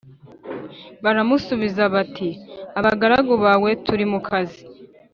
Baramusubiza bati Abagaragu bawe turi mu kazi